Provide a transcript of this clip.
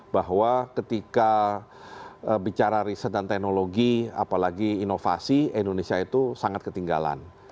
bahwa ketika bicara riset dan teknologi apalagi inovasi indonesia itu sangat ketinggalan